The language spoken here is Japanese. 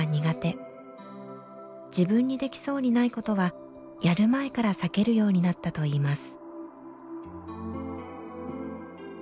自分にできそうにないことはやる前から避けるようになったといいます。